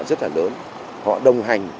rất là lớn họ đồng hành